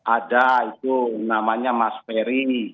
ada itu namanya mas ferry